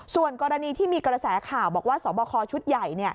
ส่วนกรณีที่มีกระแสข่าวบอกว่าสบคชุดใหญ่